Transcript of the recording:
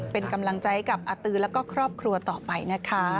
เป็นกำลังใจกับอาตือแล้วก็ครอบครัวต่อไปนะคะ